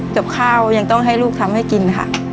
กับข้าวยังต้องให้ลูกทำให้กินค่ะ